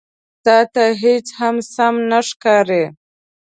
_تاته هېڅ هم سم نه ښکاري.